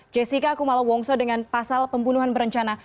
jessica kumala wongso dengan pasal pembunuhan berencana